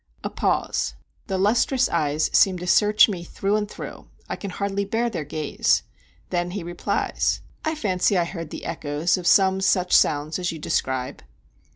A pause. The lustrous eyes seem to search me through and through—I can hardly bear their gaze. Then he replies. "I fancy I heard the echoes of some such sounds as you describe."